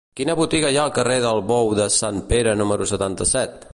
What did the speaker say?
Quina botiga hi ha al carrer del Bou de Sant Pere número setanta-set?